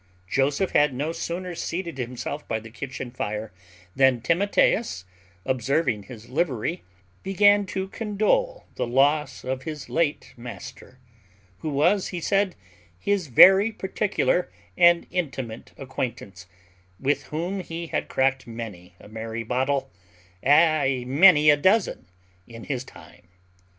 Joseph had no sooner seated himself by the kitchen fire than Timotheus, observing his livery, began to condole the loss of his late master; who was, he said, his very particular and intimate acquaintance, with whom he had cracked many a merry bottle, ay many a dozen, in his time.